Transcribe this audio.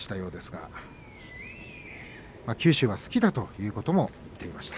九州は好きだということも言っていました。